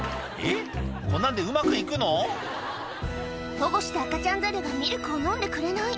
保護した赤ちゃんザルがミルクを飲んでくれない